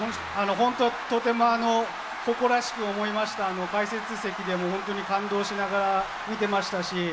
本当、とても誇らしく思いました、解説席でも本当に感動しながら見てましたし。